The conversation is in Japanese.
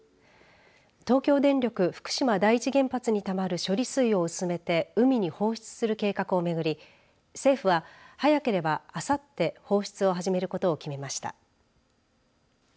東京電力福島第一原発にたまる処理水を薄めて海に放出する計画をめぐり政府は早ければあさって放出を始めることを決めました。